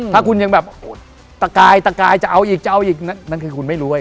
ถ้าคุณยังแบบตะกายตะกายจะเอาอีกจะเอาอีกนั่นคือคุณไม่รวย